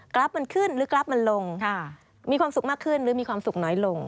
ราฟมันขึ้นหรือกราฟมันลงมีความสุขมากขึ้นหรือมีความสุขน้อยลง